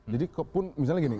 jadi misalnya gini